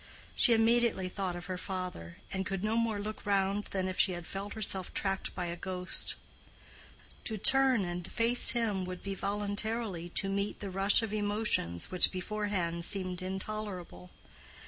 She immediately thought of her father, and could no more look round than if she had felt herself tracked by a ghost. To turn and face him would be voluntarily to meet the rush of emotions which beforehand seemed intolerable.